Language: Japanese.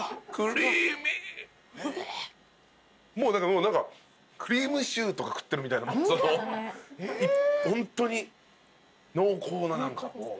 もうだから何かクリームシチューとか食ってるみたいなホントに濃厚な何か。